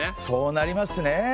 そうなりますね。